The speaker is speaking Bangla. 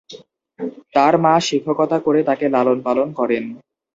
তাঁর মা শিক্ষকতা করে তাঁকে লালন পালন করেন।